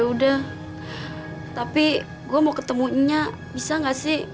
udah tapi gue mau ketemu nya bisa gak sih